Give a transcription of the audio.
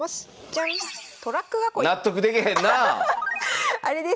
ジャン！納得できへんなあ！